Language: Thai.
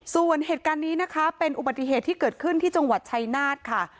ส่วนเหตุการณ์นี้นะคะเป็นอุบัติเหตุที่เกิดขึ้นที่จังหวัดชัยนาธค่ะ